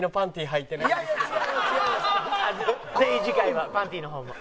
ぜひ次回はパンティーの方も。